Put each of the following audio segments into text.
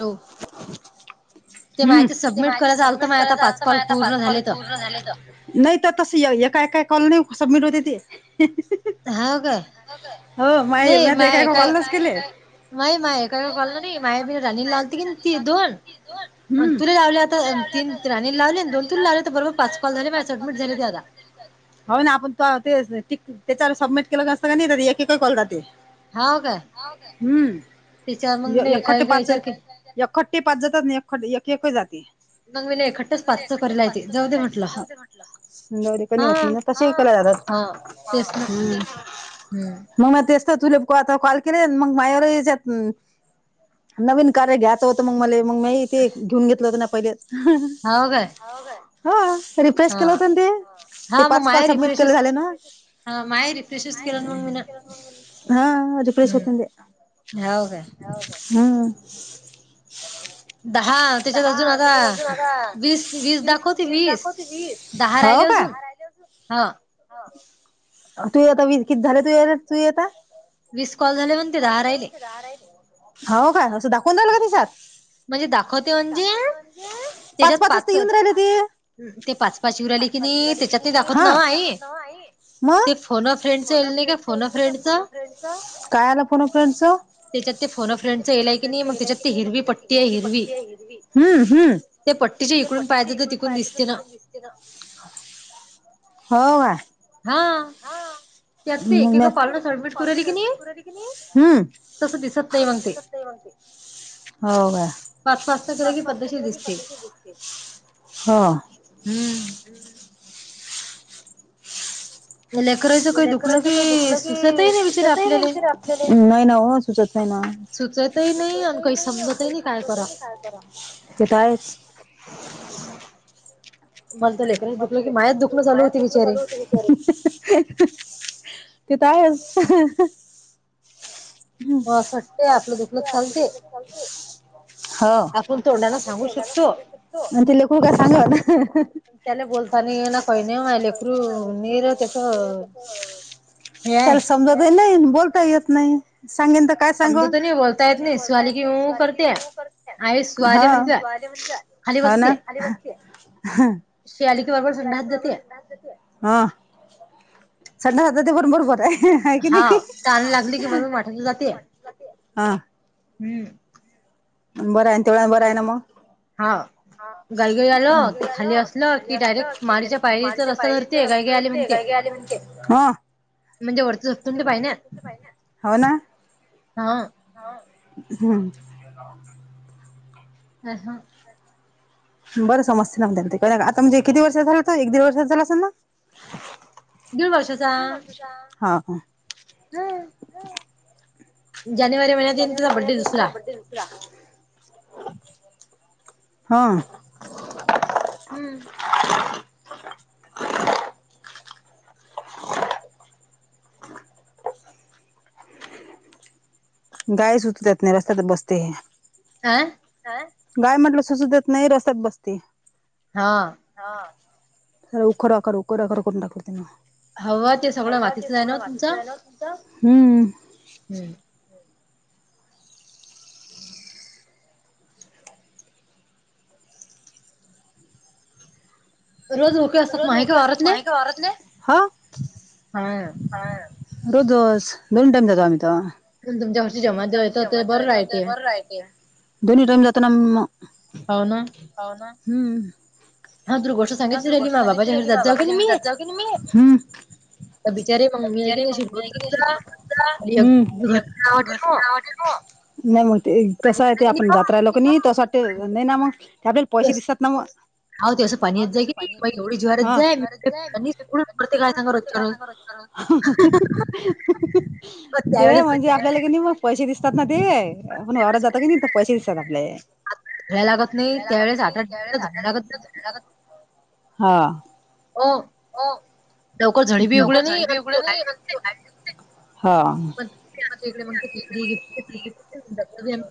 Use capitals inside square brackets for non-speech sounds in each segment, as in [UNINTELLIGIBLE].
नऊ. हम्म, ते मायं सबमिट करायचं आलतं, माय आता पाच कॉल पूर्ण झाले तर. नाही तर तसं एका एकाय कॉलनेही सबमिट होते ते. हो माय म्या ते काय को कल्लाच केले. माय माय एका एका कॉलला नाही माया पई राहनीला आलती की ती दोन अन तुले लावले आता, तीन राणीला लावले आणि दोन तुला लावले तर बरोबर पाच कॉल झाले माझे सडमिट झाले ते आता. हो ना आपण तो ते ती त्याच्यावर सबमिट केलं जास्त की नाही तर एकेक कॉल राहते. हाऊ काय? हम्म एखटे पाच हायत. एकखट्टे पाच जातात, एक एक जाती. [UNINTELLIGIBLE] जाऊदे म्हटलं [UNINTELLIGIBLE] तशेही केल्या जातात, हम्म. हम्म. मग म तेच तर तुले आता कॉल केले न मग मायावर याच्यात नवीन कार घ्यायचं होतं मग मले मग म्याही ते घेऊन घेतलं होतं ना पहिलेच. हाव काय. हा रिफ्रेश केलं होत ना, ते पाच कॉल सबमिट केले झाले ना. हा रिफ्रेश होतं ना ते ‌. हो काय. हम्म. दहा त्याच्यात अजून आता वीस वीस दाखवते वीस. दहा राहिले अजून हा. हां तूये आता वीस किती झाले तूये तूये आता? वीस कॉल झाले, म्हणते दहा राहिले. गार हाईत. हो का असं दाखवून जाल का तिसात. म्हणजे दा म्हणजे दाखवते म्हणजे, पाच पाच वाजता येऊन राहिले ते. हा मग? काय आलं फोन अ फ्रेंडच? त्याच्यात ते फोन फ्रंडचंयला की नाही, मग त्याच्यात ते हिरवी पट्टी आहे हिरवी. हम्म हम्म. हो का? हा. मग मी आत, हम्म. हो काय? हो. हम्म. लेकर तर दुखल की, दिसत ही नाही सोड आपल्याले. सुचत नाही ना? डायज. मला तर लेकराच दुखलं कि, मायाच दुखणं चालू होते बिचारे. तेथ आहेच. मग अस वाटते, आपलं दुखल चालते. आपण तोंडानं सांगू शकतो. ती लोकू उगा सांगेल. त्याला बोलताना ये ना खय नाही माहि लेकरु मीनर त्याच. त्याला समजत ही नाही, बोलता ही येत नाही सांगेन तर काय सांगू? आमच तरी बोलता येत नाही, स्वाली कि करत नाहीवाली म्हण. हो ना, अ हं शि आली की बरोबर संडा जाते. हा, संडे होता ते पण बरोबर आहे. हाय की नाही, हा. हम्म. बरं आहे, तेवढ्या बरं आहे ना मग. हा गाईगरी आलं की खाली असलं की डायरेक्ट माळीच्या पायरीचा रस्ता धर. ते रस्त्यावर ते गाय काय गे आले म्हणते. म्हणजे ओढ हो ना. हम्म. कसं बरं समजते ना त्यांना काय आता म्हणजे किती वर्षात झालं तर एक दीड वर्षात झाला अस ना. हो ना. हा. जानेवारी महिन्या जानेवारी महिन्यात तिसरा बड्डे दुसरा हो. हम्म. गाय झुकत्यात नई रस्त्यातच बसते हे. हा. गाय म्हटलं सुचू देत नाही रस्त्यात बसते. हा. हा उखर अख उख अख करून टाकवते म. हव ते सगळं वाचितलं नसतं हम्म. हम्म. [INAUDIBLE] रोज ऊठ. रोज ओके असतात, माही का वावरातले. हां.. हां.. रोज डोस, दोन टाइम देतो तवा. तुमच्या, तुमच्या ह जेव येत ते बरं राहाते, दोन्ही टाईम जातना मग. हो ना. होना. हम्म.. हा तुला गोष्ट. हा तुर गोष्ट सांगायची राहिली बाबा, घरी जात जाऊ की मी हम्म... [UNINTELLIGIBLE] नाही मग ते तसं आहे ते आपण जात राहिलो कणी, तसं वाटते नाही ना मग ते, आपल्याला पैसे दिसतात ना मगं. [UNINTELLIGIBLE] ह तेवस पाणी येते जाय की नाय. ते म्हणजे आपल्याला, कणी मग पैसे दिसतात ना ते. आपणून वावरात जात, कणी तर पैसे दिसते आपले. हे लागत नाही त्या वेळेस आठ आठ जायला लागतं. अ [UNINTELLIGIBLE] हां.. ओ, हो जणी बी उघडे नाही. [UNINTELLIGIBLE] हा च्या [UNINTELLIGIBLE]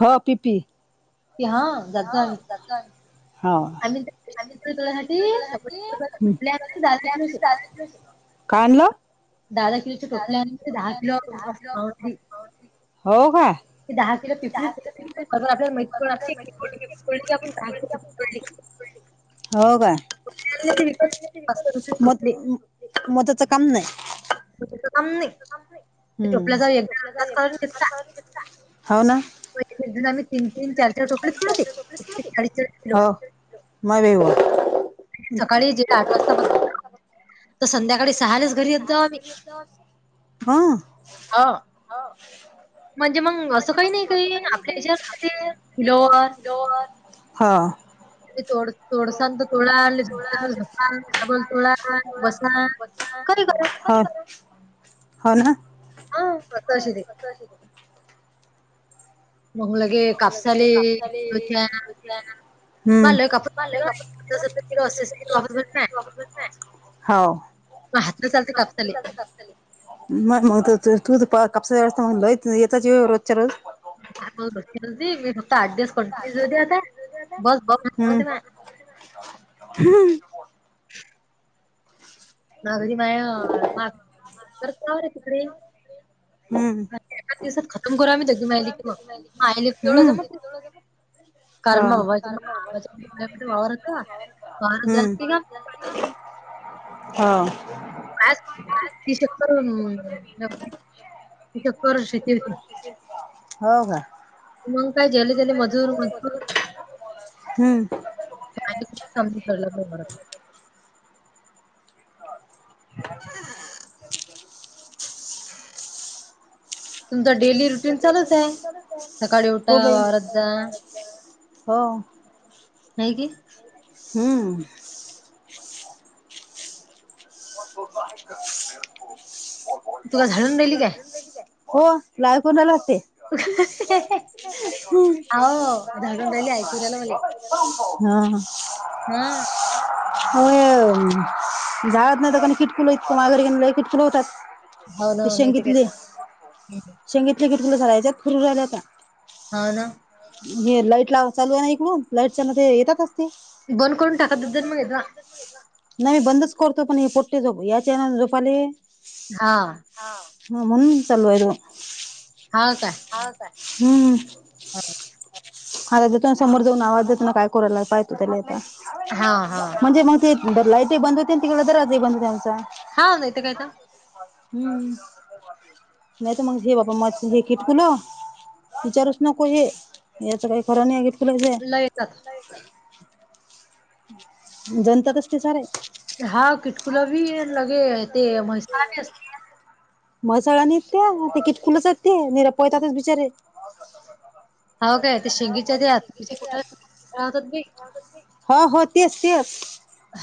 हो पीपी. [UNINTELLIGIBLE] होव आम्ही जात [UNINTELLIGIBLE] काय आणलं? दहा दहा किलोच्या टोपल्या आणली दहा किलो [UNINTELLIGIBLE] ते दहा किलो पिपरी आपल्याला मैती आपण दहा कि [UNINTELLIGIBLE] ते विकत पाचशे रुपये टोपली. मग त्याचं काम नाही. हम‌. हो ना हो. मरे वा. सकाळी जे आठ वाजता बघ, तर संध्याकाळी सहालेच घरी येत जाऊ आम्ही. ह. हं.. हा. हो. म्हणजे मग असं काही नाही का हां.. तोड तोडसण तर तोळा डबल तो डा बसा हो... होना.. हा मग कशी दे. कशी [UNINTELLIGIBLE] मग लगे कापसाले [UNINTELLIGIBLE] [UNINTELLIGIBLE] हम्म. हो. हात न चाल ते काप ले. तसं असले. [UNINTELLIGIBLE] रोजच्या रोज. [UNINTELLIGIBLE] [UNINTELLIGIBLE] मागरी माया [UNINTELLIGIBLE] तिकडे. हम्म हम्म. हां हम्म. हो. [UNINTELLIGIBLE] कर शेती होती. मग काय ज्याले त्याले मजूर म हम्म. [UNINTELLIGIBLE] [INAUDIBLE] तुमचा डेल हो बाई. हो. नाही की. हम्म. [INAUDIBLE] ओ लावाय कुणाला लागते? [UNINTELLIGIBLE] हा. हा. अ ढाळत नाही तर काण किटकुल इतक मागरिक किटकुल हुतात. ती शेंग घितली, शेंग घितली कि [UNINTELLIGIBLE] राहिल्या त्या. हा ना. गे लाईट लाव चालू नाही का, लाईट चालते येतात तेच ते. [UNINTELLIGIBLE] नाही मी बंदच करतो, पण हे पोट्टे जोप याच्यानं झोपाले. हा. हम्म म्हणून चाललोय तो. हा का? हाव काय? हम्म. आता जो त्यांच्या समोर जाऊन आवाज देतो ना, काय करूला बायको त्याले आता. म्हणजे मग ते लाईटी बंद होते आणि तिकडे दरवाजाही बंद होते आमचा. हा नाहीेतर काय का. हम्म नाही तर मग बाबा माझं हे किटकुलं विचारूच नको हे, याच काही खरा नाही आगीत फुलं ह्याचे. [UNINTELLIGIBLE] एकात [INAUDIBLE] जमतातच ते सारे. हा किटकुलाबी लगे, ते म्हैसाली असते म सगळा निघतंय आन तिकीट कुणाचं हाय ते निर पोयतातच बिचारे. हाव काय? ते [UNINTELLIGIBLE] [INAUDIBLE] हो हो तेच तेच.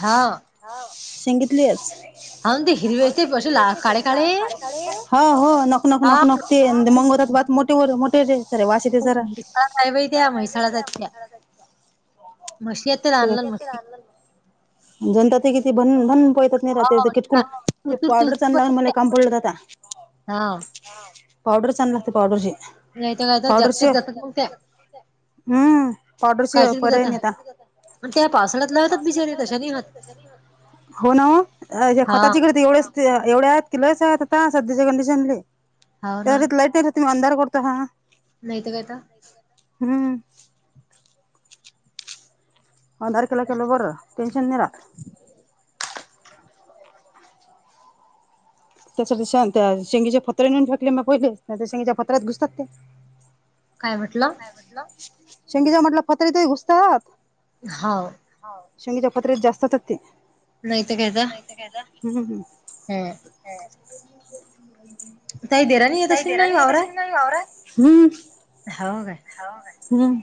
हाव. ह सांगितलीस? होऊन दे हिरवे ते पशूला काळे-काळे काळे काळे. हो हो नक नक नक नक ते मंगवतात मोठेवर मोठेे होते त्याले वास येते जरा. का काय बाई त्या म्हैसाळच हाईत त्या. म्हशी हाईत जनता ते किती भन भन पयतात. नाही राह कितकुल पडर लाून मला काम पडलं ज [UNINTELLIGIBLE] पावडर छान लागते पावडरजे. नाहीतर काय आता जात्यात जातात मंग त्या. हम्म पावडर शिवाय पर्याय नाही आता. म्हणत्या पासला हो ना वो खताची गती एवढेच ते एवढ्या आहेत कि लासायत आता सध्याच्या कंडिशन ले त्यावारीत लाईट नाही राहत. तुम्ही वनदार करतो हा. नाही तर काय आता. हां. अंधार केला केला बरं टेनशन नाही राहत. त्यासाठी त्या शांती आज शेंगीचे पतरे नेऊन टाकले मग पहिले ते त्या शेंगीच्या पत्र्यात घुसतात ते. काय म्हटलं? शेंगीच्या म्हटलं फतरीत ही घुसतात. हाव शेंगीच्या पत्रेत जास्तात ते. नाही त काय त. [UNINTELLIGIBLE] हम्म हम्म. नाहीय देरा नाही येतश नाहीरा ह् [UNINTELLIGIBLE] हाव गाय. हो्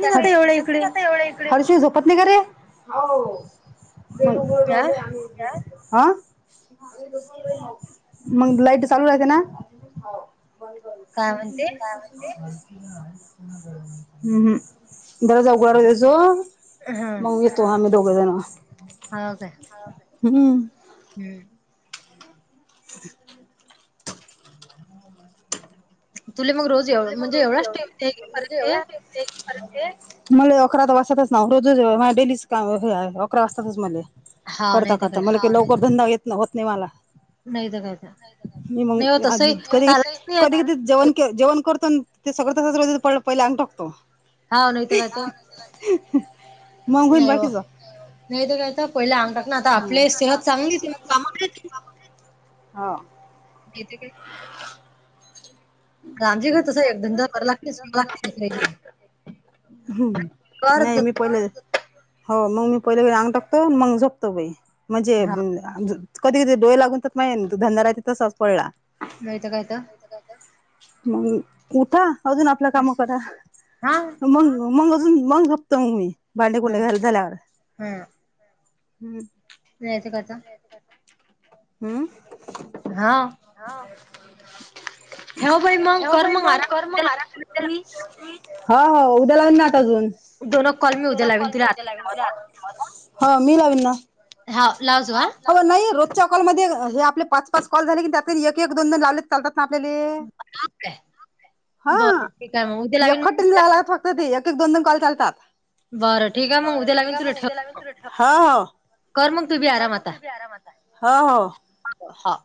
त्या दिसत नाहीता एवढं [UNINTELLIGIBLE] हर्ष ही झोपत नाही का रे? आ? मंग लाईट चालू राहते ना. ह त का म्हे [UNINTELLIGIBLE] हम्म हम्म बरा जाऊ घरा त्याचो मंग ये तो आम्ही दोघं जणं. हाव काय हम्म. [UNINTELLIGIBLE] [UNINTELLIGIBLE] तुला मग रोज एव म्हणजे एवढाच टाइम [INAUDIBLE] परत ते. ते ही करते. मला अकरा वाजताच ना रोजच हा डेलीच कामं हे अकरा वाजतातच मले. करता का तर मला लवकर धंदा येत नाही होत नाही मला. मी मंग कधी कधी कधी जेवण [UNINTELLIGIBLE] के जेवण करतो आन ते सगळं तसंच रोजची पडला अंग टाकतो. मग होईन बाकीचा. नाही ते काय आता पहिले अंग टाक ना आता आपलं सेहत चांगली होती म कामा [INAUDIBLE] हां. येते काय कांजी ग तसं ही एक धंदा कर लागतेस. [UNINTELLIGIBLE] हम नाही मी पण हो मंग मी पहिलेकडे अंग टाकतो मंग झोपतो बा म्हणजे ब अ ज. कधी कि डोळे लागून माहि तधा तसच पडला [UNINTELLIGIBLE] नाहीतर काय आता. मग उठा अजून आपलं काम करा, मग मग अजून मंग. तु आणि मी भांडी कुंडे झाल्यावर, हम्.. स्नेहाच्या घरचा. [UNINTELLIGIBLE] हम्म. हा. हांव ठेव बाई मंग कर, मंग आराम केला की. हो हो, उद्या लावीन ना आता अजून, तुला कॉल मी उद्या लावेन. हो मी लावीन ना. हा, लावजो हा. अहो नाही रोजच्या कॉलमध्ये हे, आपले पाच पाच कॉल झाले की त्यात एक एक दोन जण लावले. चालतात ना आपल्याले. हा [UNINTELLIGIBLE] कधी एक एक, दोन दोन कॉल चालतात. बर ठीक आहे मग उद्या लावेन तुला ठेव. हो. कर मग तु पण आराम आता, हो हो.. हां..